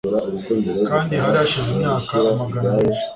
kandi hari hashize imyaka amagana menshi